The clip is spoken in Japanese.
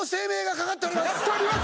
かかっております！